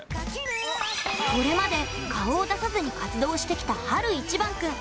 これまで顔を出さずに活動をしてきた晴いちばん君。